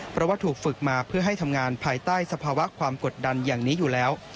เพราะว่าถูกฝึกมาเพื่อให้ทำงานภายใต้สภาวะความกดดันอย่างนี้อยู่แล้ว